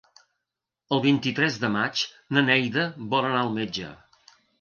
El vint-i-tres de maig na Neida vol anar al metge.